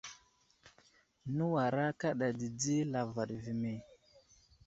Nəwara kaɗa dədi lavaɗ ve me.